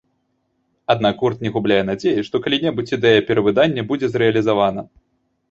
Аднак гурт не губляе надзеі, што калі-небудзь ідэя перавыдання будзе зрэалізавана.